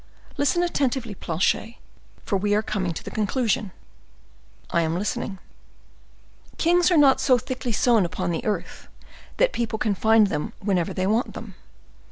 Listen attentively, Planchet, for we are coming to the conclusion." "I am listening." "Kings are not so thickly sown upon the earth, that people can find them whenever they want them.